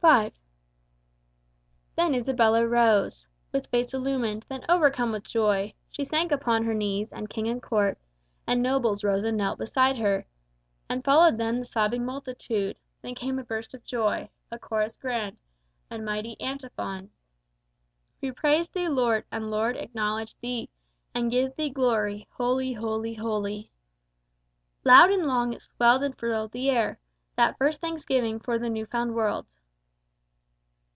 V Then Isabella rose, With face illumined: then overcome with joy She sank upon her knees, and king and court And nobles rose and knelt beside her, And followed them the sobbing multitude; Then came a burst of joy, a chorus grand, And mighty antiphon "We praise thee, Lord, and, Lord, acknowledge thee, And give thee glory! Holy, Holy, Holy!" Loud and long it swelled and thrilled the air, That first Thanksgiving for the new found world!